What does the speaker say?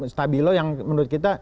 stabilo yang menurut kita